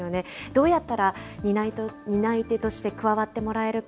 どうやったら担い手として加わってもらえるか、